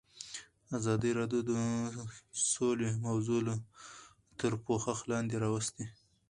ازادي راډیو د سوله موضوع تر پوښښ لاندې راوستې.